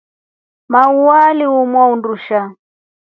Maua ahumwaa undusha.